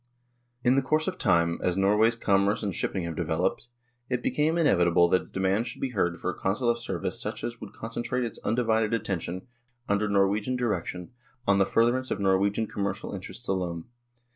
In the course of time, as Norway's commerce and shipping have developed, it became inevitable that a de mand should be heard for a Consular service such as could concentrate its undivided attention, under Nor wegian direction, on the furtherance of Norwegian commercial interests alone.